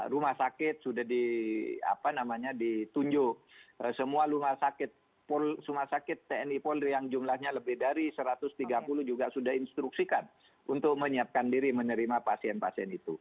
rumah sakit sudah ditunjuk semua rumah sakit tni polri yang jumlahnya lebih dari satu ratus tiga puluh juga sudah instruksikan untuk menyiapkan diri menerima pasien pasien itu